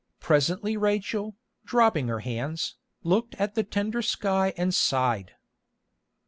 Presently Rachel, dropping her hands, looked at the tender sky and sighed.